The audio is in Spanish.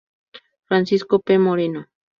Francisco P. Moreno.